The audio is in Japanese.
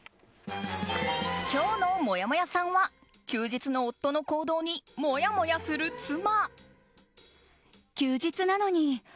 今日のもやもやさんは休日の夫の行動にもやもやする妻。